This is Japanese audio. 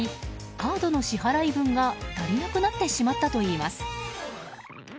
カードの支払い分が足りなくなってしまったといいます。